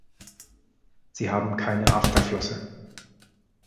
Sie haben keine Afterflosse.